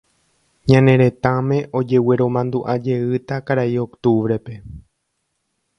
ñane retãme ojegueromandu'ajeýta Karai Octubre-pe